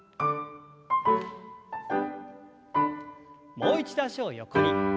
もう一度脚を横に。